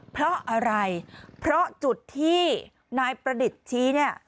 เพราะอะไรเพราะจุดที่นายประดิษฐ์ชี้เนี่ย